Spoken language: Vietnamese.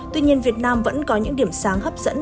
tuy nhiên việt nam vẫn có những điểm sáng hấp dẫn